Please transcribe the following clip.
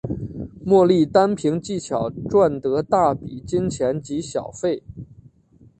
莫莉单凭技巧赚得大笔金钱及小费。